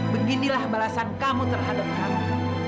beginilah balasan kamu terhadap kamu